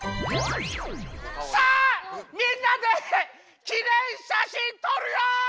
さあみんなで記念しゃしんとるよ！